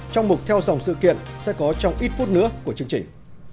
trong mục theo dòng sự kiện sẽ có trong ít phút nữa của chương trình